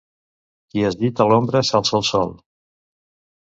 Qui es gita a l'ombra, s'alça al sol.